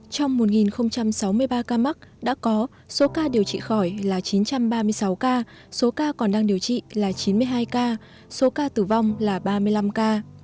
trong một sáu mươi ba ca mắc đã có số ca điều trị khỏi là chín trăm ba mươi sáu ca số ca còn đang điều trị là chín mươi hai ca số ca tử vong là ba mươi năm ca